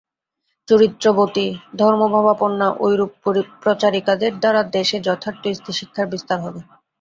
চরিত্রবতী, ধর্মভাবাপন্না ঐরূপ প্রচারিকাদের দ্বারা দেশে যথার্থ স্ত্রী-শিক্ষার বিস্তার হবে।